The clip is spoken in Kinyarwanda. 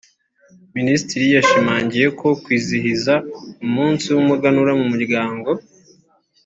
Minisitiri yashimangiye ko kwizihiza umunsi w’umuganura mu muryango